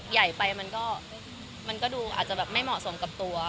ใหญ่ไปมันก็ดูอาจจะแบบไม่เหมาะสมกับตัว